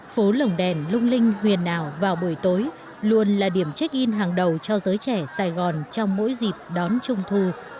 phố lồng đèn lung linh huyền ảo vào buổi tối luôn là điểm check in hàng đầu cho giới trẻ sài gòn trong mỗi dịp đón trung thu